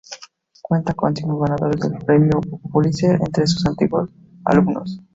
Cuenta con cinco ganadores del Premio Pulitzer entre sus antiguos alumnos.